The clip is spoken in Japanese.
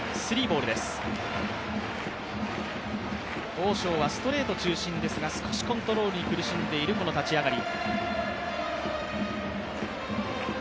オウ・ショウはストレート中心ですが少しコントロールに苦しんでいるこの立ち上がり。